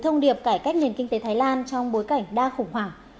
thông điệp cải cách nền kinh tế thái lan trong bối cảnh đa khủng hoảng